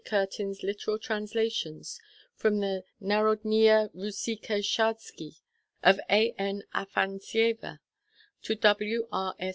Curtin's literal translations from the Naródniya Rússyika Shazki of A. N. Afanásieva; to W. R. S.